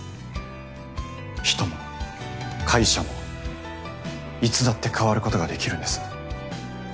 人も会社もいつだって変わることができるんです。